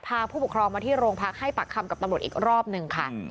ผู้ปกครองมาที่โรงพักให้ปากคำกับตำรวจอีกรอบหนึ่งค่ะ